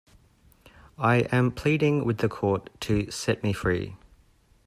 I am pleading with the court to set me free.